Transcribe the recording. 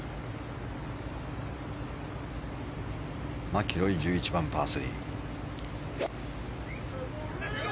マキロイ、１１番、パー３。